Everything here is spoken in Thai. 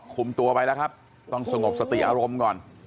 คุมตัวไปแล้วครับต้องสงบสติอารมณ์ก่อน